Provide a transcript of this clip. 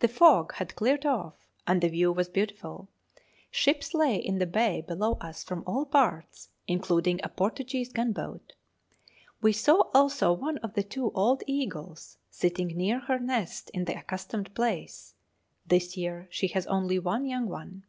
The fog had cleared off, and the view was beautiful; ships lay in the bay below us from all parts, including a Portuguese gunboat. We saw also one of the two old eagles sitting near her nest in the accustomed place; this year she has only one young one.